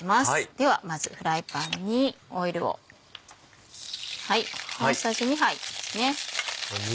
ではまずフライパンにオイルを大さじ２杯ですね。